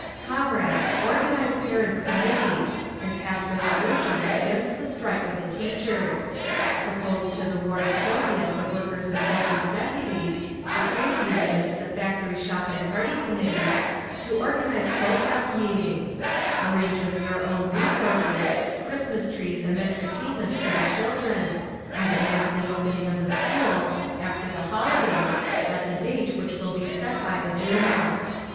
"Comrades, organise parents' committees and pass resolutions against the strike of the teachers. Propose to the Ward Soviets of Workers' and Soldiers' Deputies, the Trade Unions, the Factory Shop and Party Committees, to organise protest meetings. Arrange with your own resources Christmas trees and entertainments for the children, and demand the opening of the schools, after the holidays, at the date which will be set by the Duma.